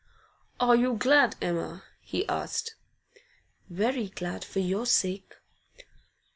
'Are you glad, Emma?' he asked. 'Very glad, for your sake.